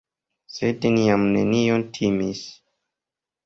Sed ni jam nenion timis.